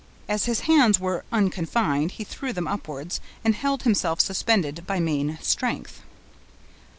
As his hands were unconfined, he threw them upwards, and held himself suspended by main strength.